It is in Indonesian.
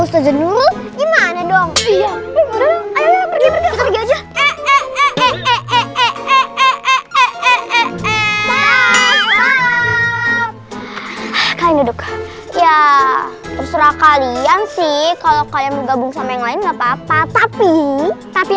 terserah kalian sih kalau kalian gabung sama yang lain enggak papa tapi tapi